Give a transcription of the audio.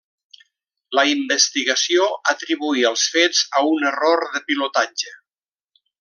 La investigació atribuí els fets a un error de pilotatge.